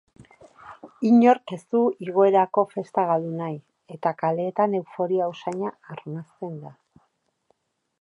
Inork ez du igoerako festa galdu nahi eta kaleetan euforia usaina arnasten da.